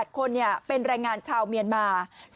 ๘คนเป็นแรงงานชาวเมียนมา